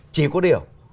chỉ có điều